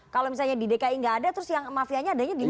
kalau misalnya di dki tidak ada terus yang mafianya adanya dimana